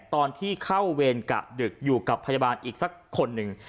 ตอนที่เข้าเวรกะดึกอยู่กับพยาบาลอีกสักคนหนึ่ง